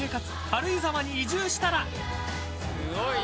軽井沢に移住したら。